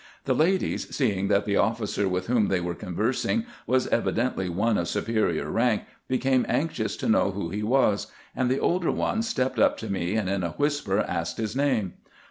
The ladies, seeing that the officer with whom they were conversing was evidently one of superior rank, became anxious to know who he was, and the older one stepped up to me, and in a whisper asked his name.